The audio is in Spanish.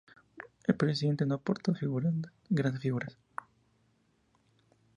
El periodo siguiente no aportó grandes figuras.